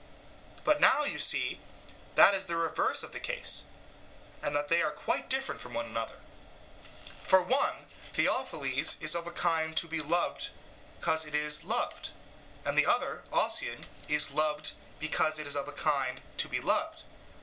But now you see that the reverse is the case, and that they are quite different from one another. For one (theophiles) is of a kind to be loved cause it is loved, and the other (osion) is loved because it is of a kind to be loved.